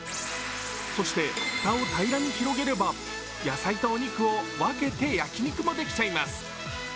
そして、蓋を平らに広げれば野菜とお肉を分けて焼き肉もできちゃいます。